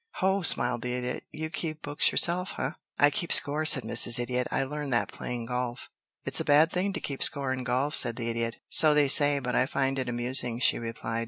"Ho!" smiled the Idiot. "You keep books yourself, eh?" "I keep score," said Mrs. Idiot. "I learned that playing golf." "It's a bad thing to keep score in golf," said the Idiot. "So they say, but I find it amusing," she replied.